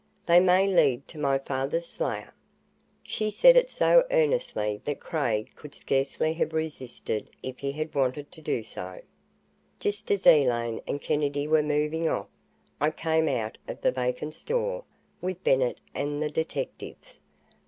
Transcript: They may lead to my father's slayer." She said it so earnestly that Craig could scarcely have resisted if he had wanted to do so. Just as Elaine and Kennedy were moving off, I came out of the vacant store, with Bennett and the detectives.